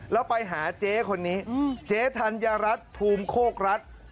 แล้วไปหาเจ๊คนนี้เจ๊ธัญรัฐภูมิโคกรัฐ